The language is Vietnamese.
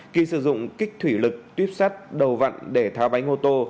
khi sử dụng kích thủy lực tuyếp sắt đầu vặn để tháo bánh ô tô